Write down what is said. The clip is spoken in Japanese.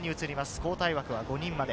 交代枠は５人まで。